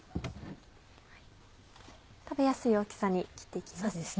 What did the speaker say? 食べやすい大きさに切って行きます。